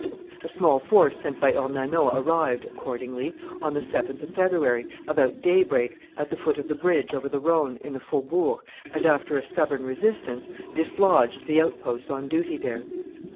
A small force sent by Ornano arrived, accordingly, on the 7th of February, about daybreak, at the foot of the bridge over the Rhone, in the faubourg, and, after a stubborn resistance, dislodged the outpost on duty there.